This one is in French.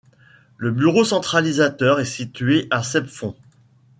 Le bureau centralisateur est situé à Septfonds.